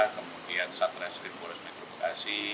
kemudian satres ketrim boda mitun jaya